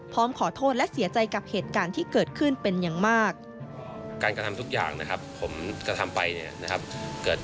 พร้อมขอโทษและเสียใจกับเหตุการณ์ที่เกิดขึ้นเป็นอย่างมาก